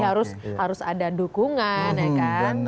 jadi harus ada dukungan ya kan